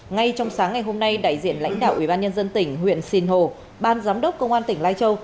ngay trong sáng ngày hôm nay đại diện lãnh đạo ủy ban nhân dân tỉnh huyện sinh hồ ban giám đốc công an tỉnh lai châu